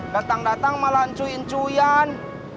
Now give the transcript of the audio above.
datang datang malah ancuin cuyan